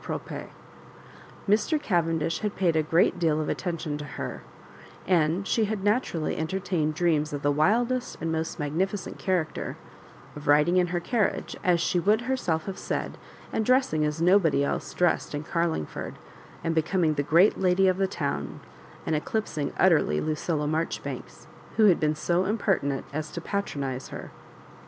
propre, Mr. Cavendish had paid a great deal of attention to her, and she had naturally enter tained dreams of the wildest and most magnifi cent character— of riding in her carriage, as she would herself have said, and dressing as nol)ody else dressed in Carlingford, and becoming the great lady of the town, and eclipsing utterly Lucilla Maijoribanks, who had been so imperti nent as to patronise her.